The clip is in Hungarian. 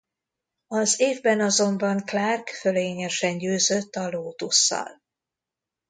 Az évben azonban Clark fölényesen győzött a Lotus-szal.